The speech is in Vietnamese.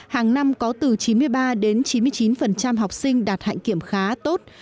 hàng năm có từ chín mươi ba đến chín mươi chín học sinh đạt hạnh kiểm khá tốt